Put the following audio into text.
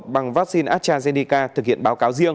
bằng vaccine astrazeneca thực hiện báo cáo riêng